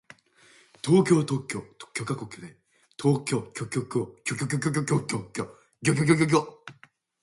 東京特許許可局で特許許可を取得する